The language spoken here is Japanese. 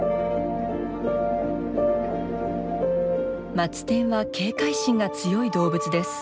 マツテンは警戒心が強い動物です。